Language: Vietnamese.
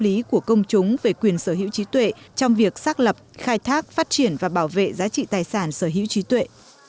lý của công chúng về quyền sở hữu trí tuệ trong việc xác lập khai thác phát triển và bảo vệ giá trị tài sản sở hữu trí tuệ